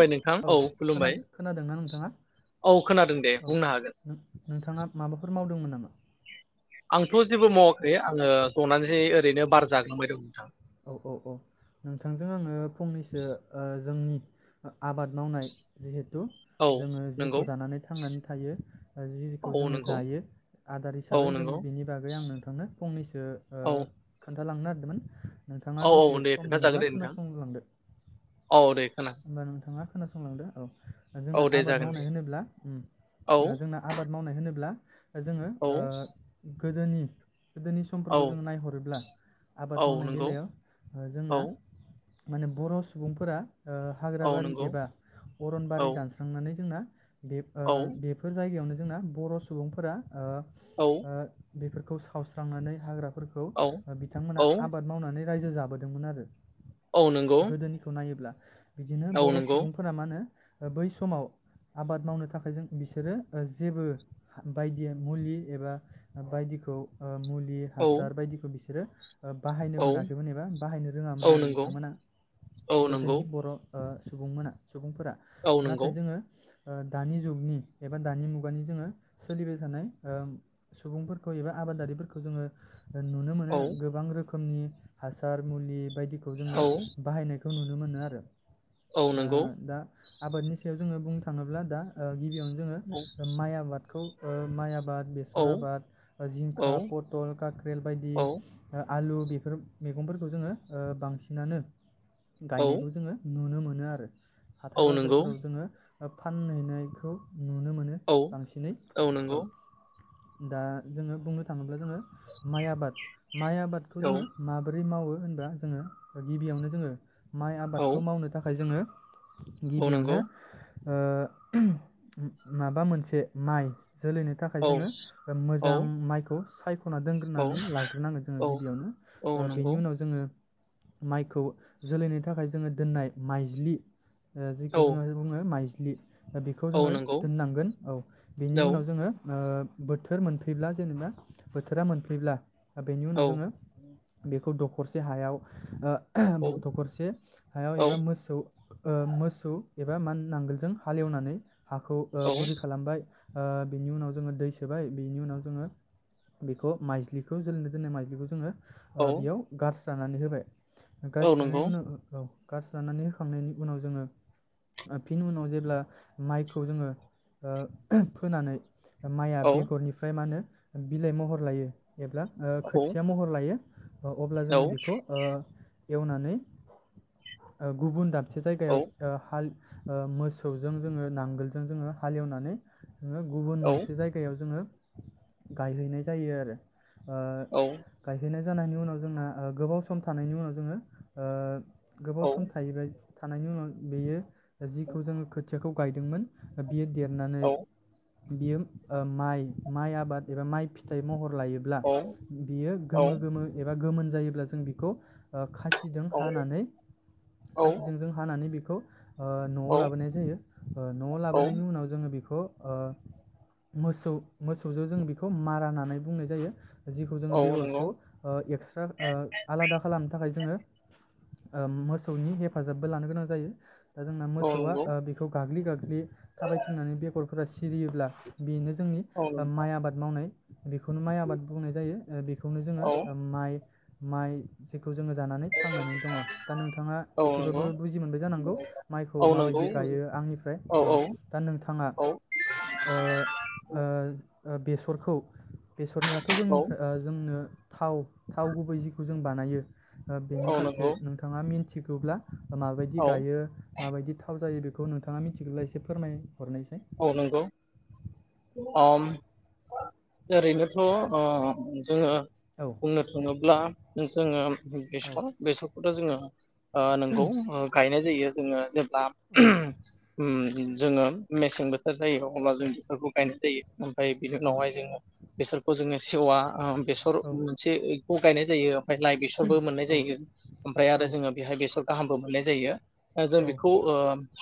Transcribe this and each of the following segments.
खुलुमबाय नोंथां औ खुलुमबाय खोना-खोनादोंना नोंथाङा औ खोनादों दे औ बुंनो हागोन नोंथाङा माबाफोर मावदोंमोन ना नामा आंथ जेबो मावाखै आङो जनानैसो ओरैनो बार जाग्लांबाय दं नोंथां। औ औ औ नोंथांजों आङो फंनैसो ओ जोंनि आबाद मावनाय जिहे औ जोङो नंगौ जिखौ जानानै थांनानै थायो जिखौ औ जोङो नंगौ जायो आदार औ हिसाबै जों नंगौ बिनि बागै आं नोंथांनो फंनैसो ओ औ खोन दा लांनो नागिरदोंमोन नोंथाङा औ दसे औ दे सम खोन्थाजागोन दङोब्ला दे नोंथां खोनासं लांदो औ दे खोना होमबा नोंथां नोथांङा खोनासंलांदो औ जोंना दे आबाद जागोन दे मावनाय होनोब्ला औ ओ जोंना आबाद मावनाय होनोब्ला जोङो औ ओ गोदोनि गोदोनि औ समफोरखौ जोङो नायहरोब्ला औ आबाद मावनाय नंगौ बेलायाव ओ जोंना औ माने बर सुबुंफोरा ओ हाग्रा औ बारि नंगौ एबा औ अरनबारि दानस्रांनानै जोंना बेफ ओ औ बेफोर जायगायावनो जोंना बर सुबुंफोरा ओ औ ओ बेफोरखौ सावस्रांनानै हाग्रा फोरखौ औ औ बिथांमोना आबाद मावनानै रायजो जाबोदोंमोन आरो औ नंगौ गोदोनिखौ नायोब्ला बिदिनो औ बर नंगौ सुबुंफोरा मा होनो बै समाव आबाद मावनो थाखाय जों बिसोरो जेबो बायदि मुलि एबा बायदिखौ ओ मुल लि औ हासार बायदिखौ बिसोरो ओ बाहायनो औ मोनाखैमोन एबा बाहायनो औ रोङामोन आरो नंगौ बिथांमोना औ गोद नंगौ जोंनि बर ओ सुबुंमोना सुबुंफोरा औ नंगौ नाथाय जोङो ओ दानि जुगनि एबा दानि मुगानि जोङो सोलिबाय थानाय ओ सुबुंफोरखौ एबा आबादारिफोरखौ जोङो नुनो मोनो औ गोबां रोखोम रोखोमनि हासार मुलि बायदि खौ जोङो औ बाहायनो नुनो मोनो। आरो औ ओ नंगौ दा आबादनि सायाव जोङो बुंनो थाङोब्ला दा गिबियावनो जोङो औ माइ आबादखौ ओ माइ आबा आबाद बेसर औ आबाद जिंखा औ पथल काख्रेल बायदि औ आलु बेफोर मैगंफोरखौ जोङो बांसिनानो औ गायनायखौ नुनो मोनो आरो। औ हाथाय नंगौ बाजारफोराव जोङो फानहैनायखौ नुनो मोनो औ बांसिनै औ। दा जोङो बुंनो थाङोब्ला जोङो माइ आबाद माइ आबादखौ औ जोङो माबोरै मावो होनब्ला जोङो गिबियावनो जोङो माइ औ खौ मावनो थाखाय जोङो औ गिबियावनो नंगौ ओ माबा मोनसे माइ जोलैनो थाखाय औ जोङो औ मोजां माइखौ साइ खना औ दोनग्रोनानै लाग्रोनांगो जोङो औ गिबियावनो औ ओ नंगौ बेनि उनाव जोङो माइखौ जोलैनि था जोङो दोननाय माइज्लि औ जिखौ जोङ बुङो माइ [unintelligible] बेखौ औ जोङो नंगौ दोननांगोन औ बेनि औ उनाव जोङो ओ बोथोर मोनफैब्ला जेनेबा बोथोरा मोनफैब्ला बेनि औ उनाव जोङो बेखौ दखरसे हायाव औ ओ दखरसे दाउ एबा मोसौ ओ मोसौ एबा मन नांगोलजों हालेवनानै हाखौ ओ औ गुरै खालामबाय ओ बिनि उनाव जोङो दै सोबाय बिनि उनाव जोङो बेखौ माइजलिखौ जोलैनो दोननाय माइज्लिखौ जोङो औ ओ बेयाव गार जानानै होबाय औ [unintelligible] नंगौ उनाव ओ औ गास्रा होखांनायनि उनाव जोङो फिन उनाव जेब्ला माइखौ जोङो ओ फोनानै माइआ औ बेगरनिफ्राय मा नो बिलाइ महर लायो एब्ला औ खोथिया महर लायो अब्ला जोङो बेखौ ओ एवनानै ओ गुबुन दा से जायगायाव हाल ओ मोसौजों जोङो नांगोलजों जोङो हालेवनानै [unintelligible] गुबुन औ मोनसे जायगायाव जोङो गायहैनाय जायो आरो ओ औ गायहै जानायनि उनाव जोंना ओ गोबाव सम थानायनि उनाव जोङो ओ औ गोबाव सम थाहैबा- थानायनि उनाव बेयो जिखौ जोङो खो थियाखौ गायदोंमोन बियो देरनानै बियो ओ माइ माइ आबाद एबा माइ फिथाइ महर लायोब्ला औ बियो गोमो गोमो एबा गोमोन जायोब्ला जों बिखौ खास इदों हानानै औ नंगौ औ नंगौ खासिजों औ जों हाना नै बेखौ ओ नआव लाबोनाय जायो ओ नआव औ लाबोनायनि उनाव जोङो बेखौ ओ मोसौ मोसौजों जों बेखौ मारा होननानै बुंनाय जायो जिखौ जोङो औ नंगौ बेगरखौ ओ एक्सट्रा ओ आलादा खालामनो थाखाय जोङो ओ मोसौनि हेफाजाबबो लानो गोनां जायो दा जोंना औ मोसौआ नंगौ ओ बेखौ गाग्लि गाग्लि थाबायथिंनानै बेगरफोरा सिरियोब्ला बेनो जोंनि औ माइ आबाद मावनाय बेखौनो माइ आबाद बुंनाय जायो बेखौनो जोङो औ माइ माइ जे खौ जोङो जानानै थांनानै दङ। दा नोंथाङा औ एसेबाबो बुजि मोनबाय जानांगौ माइखौ औ माबायदि गायो आंनिफ्राय। औ दा नोंथाङा ओ ओ ओ बेसरखौ बेसरनियाथ' जोंनिफ्रा ओ जोंनो थाव थाव गुबै जिखौ जों बानायो ओ बेनि फारसे नंगौ नों मिनथिगौब्ला माबायदि औ गायो, माबायदि थाव जायो बे खौ नोंथाङा मिथिगौब्ला एसे फोरमाय औ नंगौ। ओम ओरैनोथ' ओ जोङो औ बुंनो थाङोब्ला जोङो औ बेसर बेसर दा जोङो ओ नोंगौ ओ गायनाय जायो जोङो जे ब्ला औ ओम जोङो मेसें बोथोर जायो अब्ला जों बेफोरखौ गायनाय जायो। ओमफ्राय बिनि औ उनावहाय जोङो बेसरखौ जोङो सेवा ओम बेसर औ मोनसे खौ गायनाय जायो। ओमफ्राय लाइ बेसरबो मोननाय जायो ओमफ्राय औ आरो जोङो बेवहाय बेसर गाहामबो मोननाय जायो। जों बेखौ ओ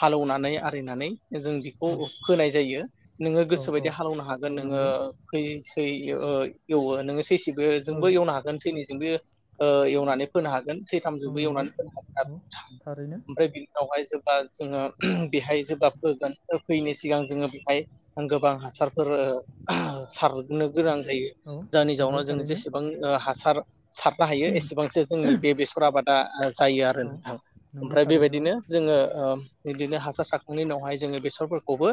हालेवनानै आरिनानै जों [unintelligible] होनाय जायो नोङो औ औ गोसोबायदि हालेवनो औ हागोन नोङो नंगौ फै ओइ ओ एवो नोङो सैसि औ बेजोंबो एवनो हागोन सैनैजों बो ओ एवनानै फोनो हागोन। औ सैथामजोंबो नंगौ एवनानै फोनो औ थारैनो [unintelligible] ओमफ्राय बि उनावहाय जो बा जोङो बेहाय जेब्ला फोगोन फोयिनि सिगां जोङो बेहाय गोबां हासार फोर ओ सार गोनां जायो औ जायनि नंगौ जाउनाव जों थारैनो जेसेबां ओ हासार सारनो हायो एसेबांसो जोंनि बे बेसर आबाद जायो आरो औ नोंथां नंगौ ओमफ्राय थारैनो औ बेबायदिनो जोङो ओ बिदिनो हासार सारखांनायनि उनावहाय जोङो बेस [unintelligible] फोरखौबो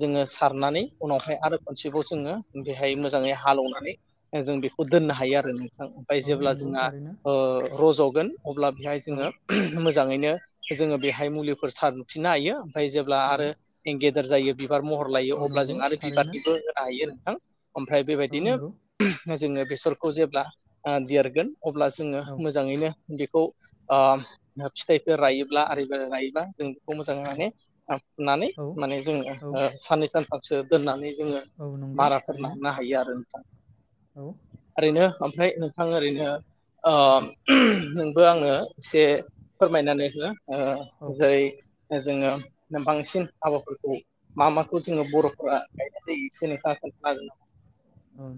जोङो सारनानै उनावहाय आरो खनसेबाव जोङो बेहाय मोजाङै हालेवनानै जों बेखौ दोननो हायो आरो ओमफ्राय औ जेब्ला नंगौ जोंहा थारैनो ओ रज गोन अब्ला बेहाय औ जोङो मो मोजाङैनो जोङो बेहाय मुलिफोर सारफिननो हायो थाय जेब्ला औ आरो [unintelligible] जायो बि बिबार महर लायो औ अब्ला नंगौ जों आरो थारैनो बिबारनिबो होनो हायो आरो हा ओमफ्राय औ बेबायदिनो नंगौ जोङो बेसरखौ जेब्ला ओ देरगोन अब्ला जोङो औ मोजाङैनो बेखौ ओ फिथाइफोर रायोब्ला आरिबो रायोबा जों खौ मोजां औ होनानै ओ फुनानै औ माने जोंङो औ ओ साननै सान थामसो दोननानै जोङो औ नंगौ माराफोर थारैनो नानो हायो आरो नोंथां औ ओरैनो ओमफ्राय नोंथां ओरैनो औ [unintelligible] बो आङो एसे फोरमायनानै हो औ जेरै जोङो बांसिन हाबाफोरखौ मा माखौ जोङो बरफोरा गायनाय जायो एसे नोंथांङा खोनथागोन नामा औ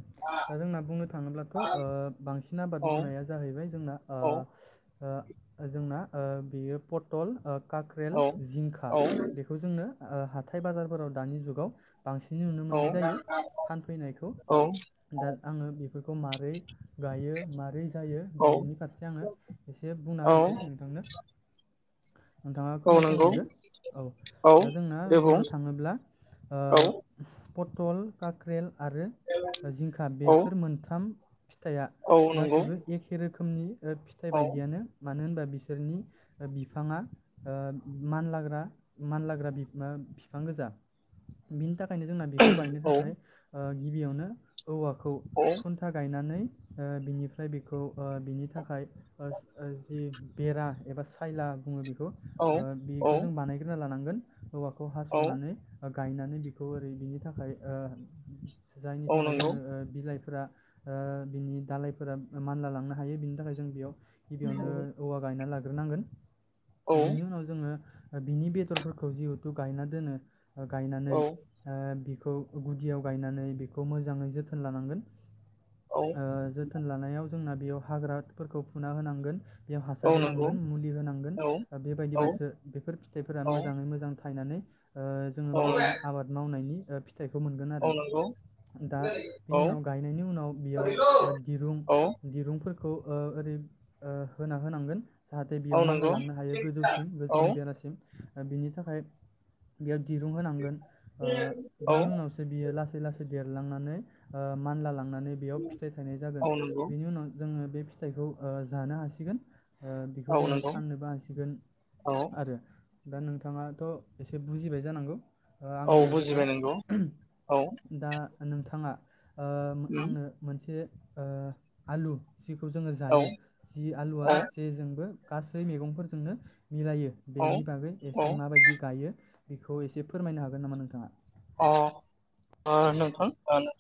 दा जोंना बुंनो थाङोब्ला थ हागोन ओ बां सिन आबाद नामा? मावनाया जाहैबाय जोंना औ ओ जोंना बेयो पटल काख्रेल जिंखा औ औ बेखौ जोंनो ओ हाथाय बाजारफोराव दानि जुगाव बांसिन नुनो मोननाय जायो फानफैनायखौ दा आङो बे बेखौ मारै गायो मारै जायो औ बेनि फारसे आङो एसे बुंना होनोसै नोंथांनो नोंथाङा औ नंगौ खोनासंलांदो औ औ दा जोंना दे बुं बुंनो थाङोब्ला औ पटल काख्रेल आरो जिंखा औ बेसोर मोनथाम फिथाइआ औ नंगौ गासैबो एखे रोखोमनि फिथाइ औ बायदियानो मानो होनबा बिसोरनि बिफाङा मानलाग्रा मानलाग्रा बिफां गोजा बिनि थाखाय [unintelligible] जोंना बेखौ गायनो औ थाखाय गिबियावनो औवाखौ औ खुन्था गायनानै ओ बिनिफ्राय बेखौ ओ बिनि थाखाय ओ जि बेरा एबा सायला बुङो बेखौ औ बेखौ ओ बेखौ जों बानायग्रोना लानांगौ गोन औवाखौ औ हासनानै गायनानै बिखौ ओरै बिनि थाखाय ओ जाय नि औ थाखाय नंगौ जोङो बिलाइफोर फोरा ओ बिनि दालायफोरा मानला लांनो हायो बिनि थाखाय जों बेयाव गिबियावनो औवा गायना लाग्रो नांगोन औ बेनि उनाव जोङो बिनि बेदरफोरखौ जिहेथु गायना दोनो गायनानै औ ओ बि खौ गुदियाव गायनानै बेखौ खौ मोजाङै जोथोन लानांगोन औ ओ जोथोन लानायाव जोंना बेयाव हाग्राफोरखौ फुना होनांगोन बेयाव औ हासार नंगौ होनांगोन मुलि होनांगोन औ औ बेबायदिबासो बेफोर फिथाइफोरा औ मोजाङै मोजां थायनानै ओ जोङो औ मोजां आबाद मावनायनि [unintelligible] फिथाइखौ मोनगोन आरो औ नंगौ दा औ बेनि उनाव गायनायनि उनाव बेयाव ओ दिरुं दिरुं फोरखौ ओ ओरै ओ होना होनांगोन जाहाथे बेयाव औ मानला नंगौ लांनो हायो गोजौसिम औ गोजौनि बेरासिम बिनि थाखाय बेयाव दिरुं होनांगोन ओ बिनि उनावसो बियो लासै लासै देरलांनानै ओ मानला लां नानै बेयाव फिथाइ थनाय जागोन औ नंगौ बेनि उनाव जोङो बे फिथाइखौ ओ जानो हासिगोन ओ बेखौ औ जोङो नंगौ फाननोबो हासिगोन औ आरो दा नोंथाङाथ एसे बुजिबाय जानांगौ आं औ बुजिबाय नंगौ होननायफोरखौ औ दा नोथां थाङा ओ उम आंनो मोनसे ओ आलु जिखौ जोङो औ जायो जि आलुआ औ जेजोंबो गासै मैगंफोरजोंनो मिलायो औ बेनि बागै औ एसे माबायदि गायो? बेखौ इसे फोरमायनो हागोन नामा नोंथाङा? अ ओ नोंथां ओ नों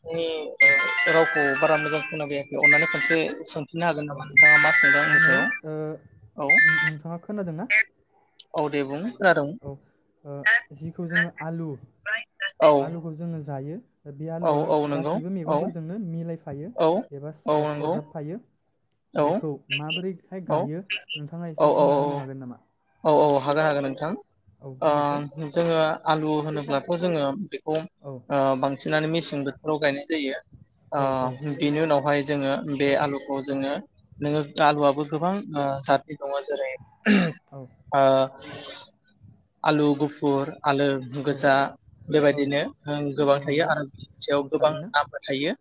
औ [unintelligible] रावखौ बारा मोजां खोना फैयाखै अनानै खनसे सोन फिनना होगोन औ नामा नोंथाङा मा सोंदों आंनि आङो सायाव ओ औ नों- नोंथाङा खोनादोंना औ दे बुं खोनादों औ ओ जिखौ जोङो आलु औ आलुखौ जोंङो जायो। बे औ आलुआ औ नंगौ गासैबो औ मैगंफोरजोंनो मिलाय फायो औ औ एबासओस नंगौ सरजाबफायो। औ बेखौ माबोरैहाय औ गायो नोंथाङा औ एसे बुंना होनो हागोन नामा? औ औ हागोन हागोन नोंथां। औ बुंनायसाय ओ जोङो आलु होनोब्लाथ जोङो [unintelligible] औ ओ बांसिन। नानै मेसिं बोथोराव गायनाय जायो औ औ ओ बिनि उनावहाय जोङो बे आलुखौ जोङो नोङो आलुवबो गोबां ओ जातनि दङ जेरै औ ओ आलु गुफुर आलो औ गोजा औ बेबायदिनो ओं गोबां औ थायो नंगौ आरो औ [unintelligible] गोबां थारैनो नामफोर थायो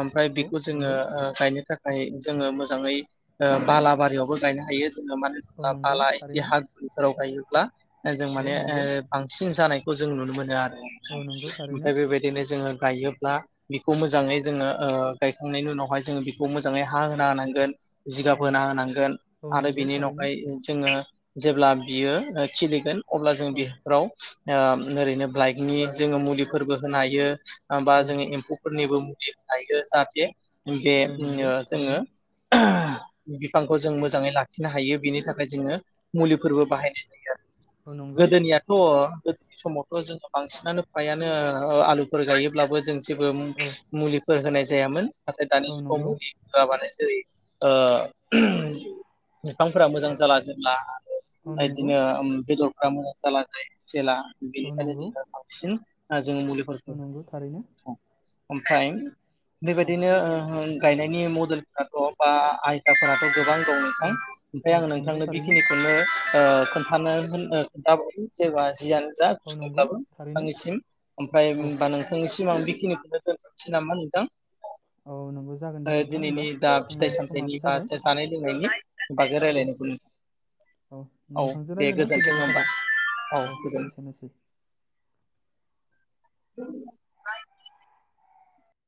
ओमफ्राय औ बेखौ जोङो नंगौ ओ गायनो थाख खाय जोङो मोजाङै ओ बालाबारियावबो गायनो हायो। जोङो माने औ लाफा नंगौ लाय जि थारैनो हा गुरैफोराव गायोब्ला जों औ माने नंगौ ओ बांसिन जानायखौ जों नुनो मोनो आरो औ नंगौ थारैनो ओमफ्राय बेबायदिनो जोङो गायोब्ला बेखौ मोजाङै जोङो ओ गायखांनायनि उनावहाय जोङो बेखौ मोजाङै हा होना होनांगोन। जिगाब औ होना होनांगोन औ आरो नंगौ बिनि थारैनो उनावहाय जोङो जेब्ला बियो ओ खिलिगोन। अब्ला जों औ बिफ्राव ओ ओरैनो ब्लाइकनि जोङो मुलिफोरबो होनो हायो बा औ जोङो एम्फौफोरनिबो थायो जाहाथे बे औ नंगौ ओ जोङो थारैनो बिफांखौ जों मोजाङै लाखिनो हायो बिनि थाखाय जोङो मुलिफोरबो बाहायनाय जायो आरो। औ नंगौ गोदोनियाथ' गोदोनि समावथ' जोङो बांसिनानो फ्रायानो आलुफोर गायोब्लाबो जों जेबो मुलि औ मुलिफोर होनाय जा जायामोन नाथाय दानि औ जुगाव नंगौ मुलि होआबानो जेरै ओ बिफांफोरा मोजां जाला जेब्ला औ नंगौ ओदिनो ओ बेद मोजां जाला जायो जेला औ बेनिखायनो नंगौ जोङो बांसिन जोङो औ नंगौ थारैनो मुलिफोरखौ ओमफ्राय औ बेबायदिनो ओ गायनायनि मडेलफोराथ' बा आयदाफोराथ' गोबां दं नोंथां औ ओमफ्राय औ आं नंगौ नोंथांनो थारैनो बेखिनिखौनो खोन्थानो‌ [unintelligible] [unintelligible] औ नंगौ थारैनो नोंथांनिसिम ओमफ्राय औ होमबा नोंथांनिसिम आं बे खिनिखौनो दोनथ'नोसै नामा नोंथां? औ नंगौ जागोन ओ दे नोंथां होमबा दिनैनि दा जोंना फिथाइ सामथायनि समाबो बा जाबाय जानाय लोंनायनि बागै औ रायलायनायखौ औ नोंथां नोंथांजों दे रायज्लाय ना गोजोन्थों गोजोननाय होमबा थाबाय औ एसेनोसै। [inaudible]